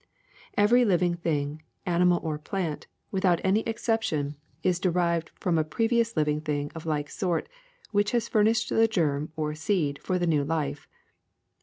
Every living thing, animal or plant, without any ex ception, is derived from a previous living thing of like sort, which has furnished the germ or seed for the new life.